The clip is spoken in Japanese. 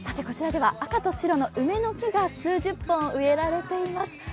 こちらでは赤と白の梅の木が数十本植えられています。